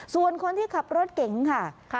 ส่วนคนที่ขับรถเก๋งค่ะ